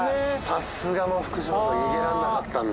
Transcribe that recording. さすがの福島さん